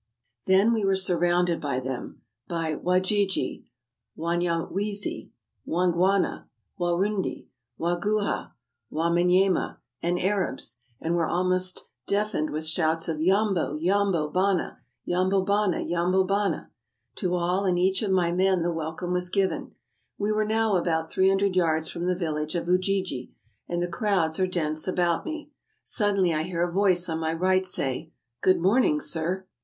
Then we were surrounded by them ; by Wajiji, Wanyam wezi, Wangwana, Warundi, Waguhha, Wamanyema, and Arabs, and were almost deafened with the shouts of " Yambo, yambo, bana! Yambo bana! Yambo bana! " To all and each of my men the welcome was given. We were now about three hundred yards from the village of Ujiji, and the crowds are dense about me. Suddenly I hear a voice on my right say, "Good morning, sir!"